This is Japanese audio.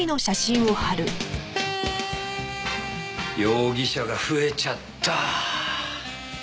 容疑者が増えちゃった。